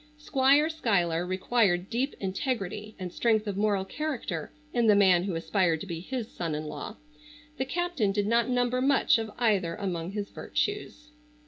Squire Schuyler required deep integrity and strength of moral character in the man who aspired to be his son in law. The captain did not number much of either among his virtues.